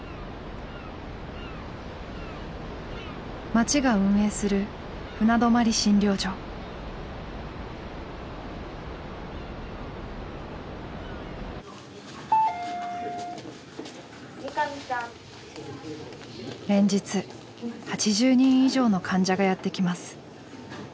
町が運営する連日８０人以上の患者がやって来ます。